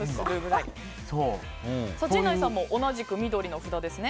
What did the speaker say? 陣内さんも同じく緑の札ですね。